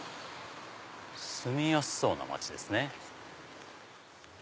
住みやすそうな街ですね。